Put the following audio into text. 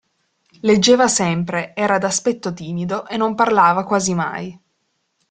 Leggeva sempre, era d'aspetto timido, e non parlava quasi mai.